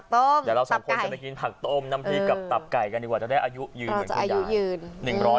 เดี๋ยวเราสองคนจะไปกินผักต้มน้ำพริกกับตับไก่กันดีกว่าจะได้อายุยืนเหมือนกัน